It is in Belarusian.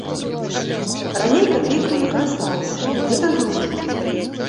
Раней капейкамі карысталася, гэта зручна.